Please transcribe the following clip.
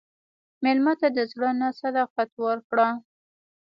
مېلمه ته د زړه نه صداقت ورکړه.